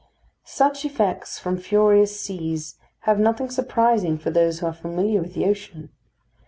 Such effects from furious seas have nothing surprising for those who are familiar with the ocean.